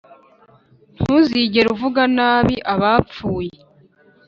ntuzigere uvuga nabi abapfuye